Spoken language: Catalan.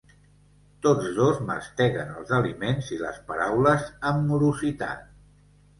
Tots dos masteguen els aliments i les paraules amb morositat.